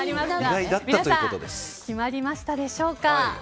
決まりましたでしょうか。